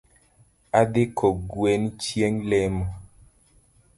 Adhi kogwen chieng’ lemo